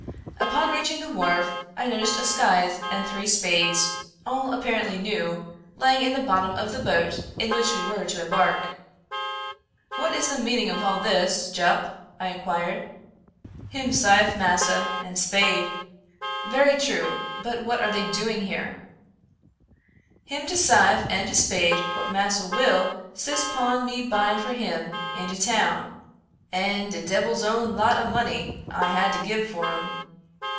Upon reaching the wharf, I noticed a scythe and three spades, all apparently new, lying in the bottom of the boat in which we were to embark. " What is the meaning of all this, Jup ?" I inquired. " Him syfe, massa, and spade." " Very true ; but what are they doing here ?"" Him de syfe and de spade what Massa Will sis 'pon my buying for him in de town, and de debbil's own lot of money I had to gib for 'em."